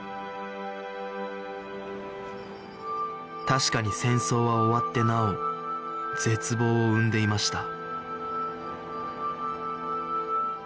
確かに戦争は終わってなお絶望を生んでいました